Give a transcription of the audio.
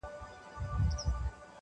چا له وهمه ورته سپوڼ نه سو وهلای!.